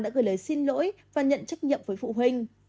đã gửi lời xin lỗi và nhận trách nhiệm với phụ huynh